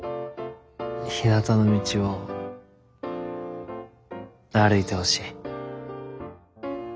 ひなたの道を歩いてほしい。